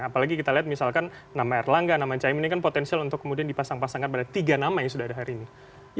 apalagi kita lihat misalkan nama erlangga nama caimin ini kan potensial untuk kemudian dipasang pasangkan pada tiga nama yang sudah ada hari ini